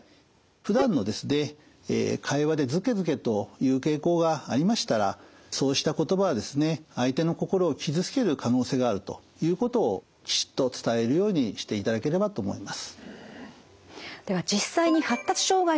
ふだんの会話でずけずけと言う傾向がありましたらそうした言葉はですね相手の心を傷つける可能性があるということをきちっと伝えるようにしていただければと思います。